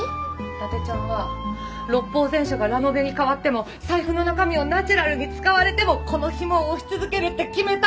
伊達ちゃんは『六法全書』がラノベに変わっても財布の中身をナチュラルに使われてもこのヒモを推し続けるって決めたんだね。